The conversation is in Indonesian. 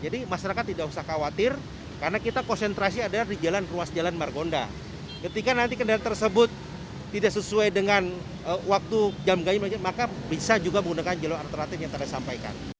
jadi masyarakat tidak usah khawatir karena kita konsentrasi adalah di jalan ruas jalan margonda ketika nanti kendaraan tersebut tidak sesuai dengan waktu jam ganjil maka bisa juga menggunakan jalur alternatif yang tadi saya sampaikan